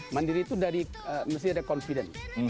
mandiri itu dari mesti ada confident